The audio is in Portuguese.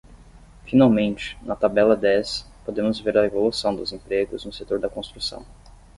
Finalmente, na tabela dez, podemos ver a evolução dos empregos no setor da construção.